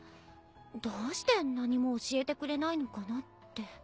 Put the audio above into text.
どうして何も教えてくれないのかなって。